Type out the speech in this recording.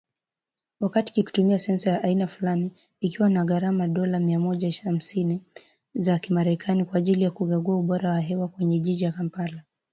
Wakati kikitumia sensa ya aina fulani, ikiwa na gharama ya dola mia moja hamsini za kimerekani kwa ajili ya kukagua ubora wa hewa kwenye jiji la Kampala